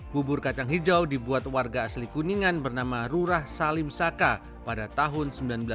bubur kacang hijau dibuat warga asli kuningan bernama rurah salim saka pada tahun seribu sembilan ratus sembilan puluh